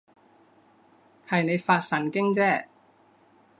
係你發神經啫